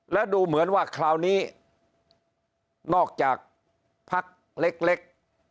และดูเหมือนว่าคราวนี้นอกจากพักเล็ก